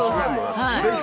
はい。